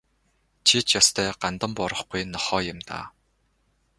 Чи ч ёстой гандан буурахгүй нохой юм даа.